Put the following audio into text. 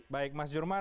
baik mas jerman